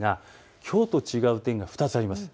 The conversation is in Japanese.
きょうと違う点が２つあります。